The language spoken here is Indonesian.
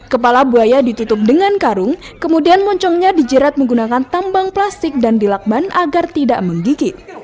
kepala buaya ditutup dengan karung kemudian moncongnya dijerat menggunakan tambang plastik dan dilakban agar tidak menggigit